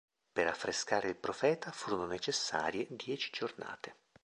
Per affrescare il profeta furono necessarie dieci "giornate".